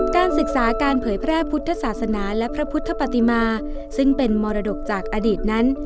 การศึกษาการเผยแพร่พุทธศาสนาและพระพุทธปฏิมาซึ่งเป็นมรดกจากอดีตนั้น